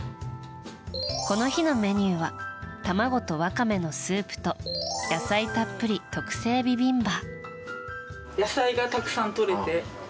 この日のメニューは卵とわかめのスープと野菜たっぷり特製ビビンバ。